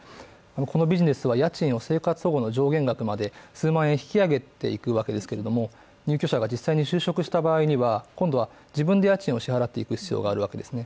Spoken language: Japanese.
このビジネスは家賃を生活保護の上限額まで数万円引き上げていくわけですけれども、入居者が実際に就職した場合には自分で家賃を支払う必要があるわけですね。